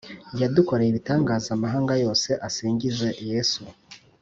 yadukoreye ibitangaza amahanga yose asingize yesu !